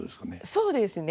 そうですね。